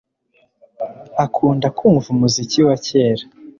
Akunda kumva umuziki wa kera